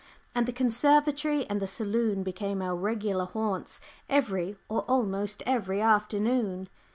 And the conservatory and the saloon became our regular haunts every, or almost every, afternoon.